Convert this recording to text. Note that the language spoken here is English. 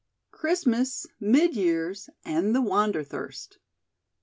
CHRISTMAS MID YEARS AND THE WANDERTHIRST.